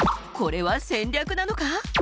これは戦略なのか？